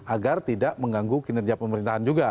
agar tidak mengganggu kinerja pemerintahan juga